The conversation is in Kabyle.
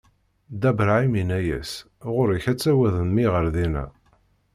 Dda Bṛahim inna-as: Ɣur-k ad tawiḍ mmi ɣer dinna!